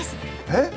えっ？